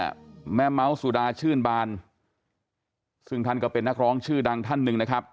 แม่เมาส์สุดาชื่นบานซึ่งท่านก็เป็นนักร้องชื่อดังท่านหนึ่งนะครับ